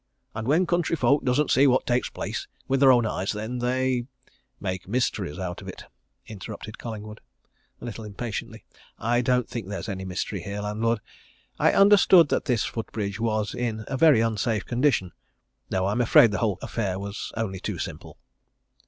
And when country folk doesn't see what takes place, with their own eyes, then they " "Make mysteries out of it," interrupted Collingwood, a little impatiently. "I don't think there's any mystery here, landlord I understood that this foot bridge was in a very unsafe condition. No! I'm afraid the whole affair was only too simple."